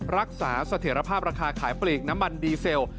รักษาเสถียรภาพราคาขายปลีกน้ำมันดีเซล